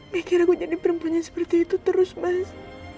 mikir aku jadi perempuan yang seperti itu terus mas